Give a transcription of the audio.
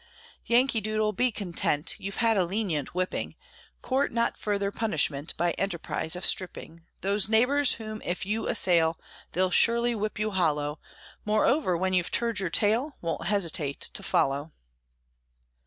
Yankee Doodle, be content, You've had a lenient whipping; Court not further punishment By enterprise of stripping Those neighbors, whom if you assail, They'll surely whip you hollow; Moreover, when you've turned your tail, Won't hesitate to follow.